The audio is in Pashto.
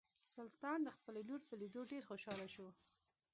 سلطان د خپلې لور په لیدو ډیر خوشحاله شو.